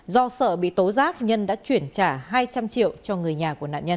do sợ bị tố giác nhân đã chuyển trả hai trăm linh triệu cho người nhà của nạn nhân